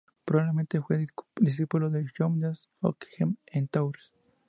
Probablemente fue discípulo de Johannes Ockeghem en Tours.